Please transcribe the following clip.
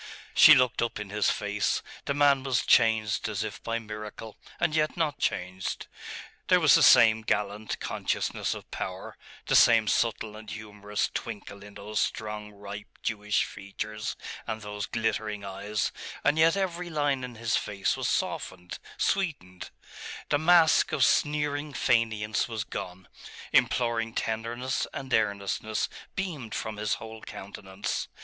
She looked up in his face. The man was changed as if by miracle and yet not changed. There was the same gallant consciousness of power, the same subtle and humorous twinkle in those strong ripe Jewish features and those glittering eyes; and yet every line in his face was softened, sweetened; the mask of sneering faineance was gone imploring tenderness and earnestness beamed from his whole countenance.